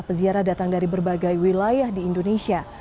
peziara datang dari berbagai wilayah di indonesia